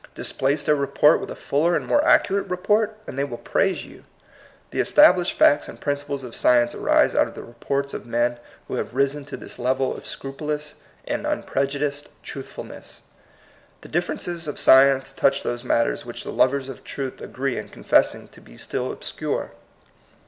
Displace their report with a fuller and more accurate report, and they will praise you. The established facts and principles of science arise out of the reports of men who have risen to this level of scrupulous and unprejudiced truthfulness. The dif ferences of science .touch those matters which the lovers of truth agree in con fessing to be still obscure.